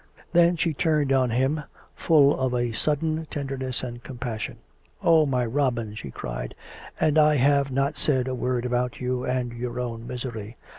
Then she turned on him, full of a sudden tenderness and compassion. " Oh ! my Robin," she cried, " and I have not said a word about you and your own misery.